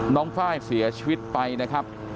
น้องฟ้ายเสียชีวิตไปนะครับ